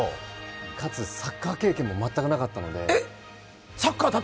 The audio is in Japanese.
かつサッカー経験も全くなかったので。